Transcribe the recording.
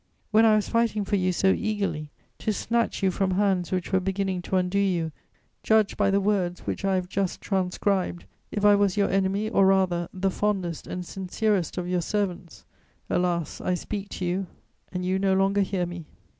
When I was fighting for you so eagerly, to snatch you from hands which were beginning to undo you, judge, by the words which I have just transcribed, if I was your enemy or, rather, the fondest and sincerest of your servants! Alas, I speak to you, and you no longer hear me!